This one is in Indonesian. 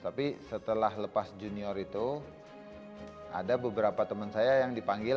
tapi setelah lepas junior itu ada beberapa teman saya yang dipanggil